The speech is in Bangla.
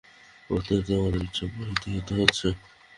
প্রতিনিয়তই আমাদের ইচ্ছা প্রতিহত হইতেছে।